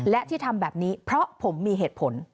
และที่ทำแบบนี้เพราะผมมีเหตุผล